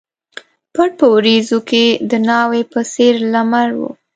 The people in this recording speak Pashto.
پټ په وریځو کښي د ناوي په څېر لمر و